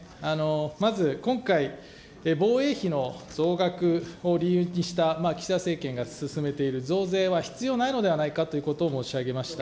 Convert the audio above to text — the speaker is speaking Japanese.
まず今回、防衛費の増額を理由にした岸田政権が進めている増税は必要ないのではないかということを申し上げました。